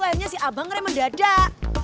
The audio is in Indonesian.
akhirnya si abang re mendadak